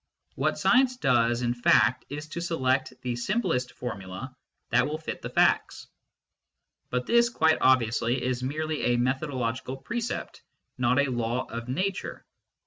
What science does, in fact, is to select the simplest formula that will fit the facts. But this, quite obviously, is merely a methodological precept, not a law of Nature.